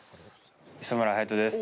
磯村勇斗です